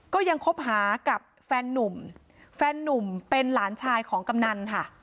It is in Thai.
ก็ยังคบหากับแฟนนุ่มแฟนนุ่มเป็นหลานชายของกำนันค่ะ